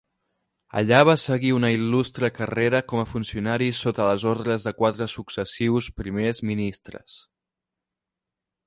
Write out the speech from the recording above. Allà va seguir una il·lustre carrera com a funcionari sota les ordres de quatre successius primers ministres.